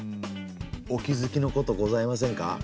お気づきのことございませんか？